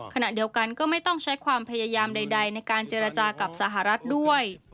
ขณะเดียวกันก็ไม่ต้องใช้ความพยายามใดในการเจรจากับสหรัฐด้วย